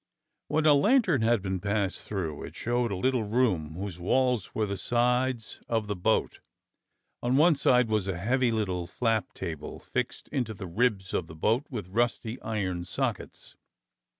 When a lantern had been passed through, it showed a little room whose walls were the sides of the boat. On one side was a heavy little flap table, fixed into the ribs of the boat with rusty iron sockets.